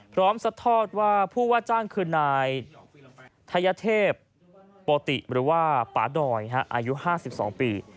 พร้อมสัตว์ทอดว่าผู้ว่าจ้างคืนนายไทยเทพปติหรือว่าปาดอยอายุ๕๒ปี